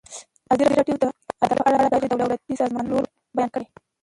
ازادي راډیو د عدالت په اړه د غیر دولتي سازمانونو رول بیان کړی.